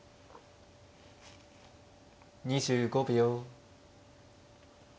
２５秒。